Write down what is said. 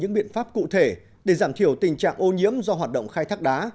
những biện pháp cụ thể để giảm thiểu tình trạng ô nhiễm do hoạt động khai thác đá